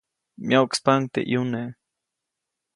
Myoʼkspaʼuŋ teʼ ʼyune.